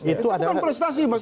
itu bukan prestasi mas